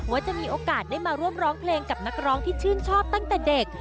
ว่าจะมีโอกาสได้มาร่วมร้องเพลงกับนักร้องที่ชื่นชอบตั้งแต่เด็ก